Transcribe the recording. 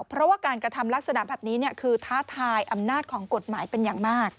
เพราะว่าการกระทำลักษณะแบบนี้คือท้าทายอำนาจของกฎหมายเป็นอย่างมาก